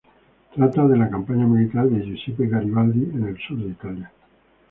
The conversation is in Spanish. Trata de la campaña militar de Giuseppe Garibaldi en el sur de Italia.